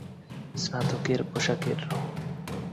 স্নাতকের পোশাকের রঙ।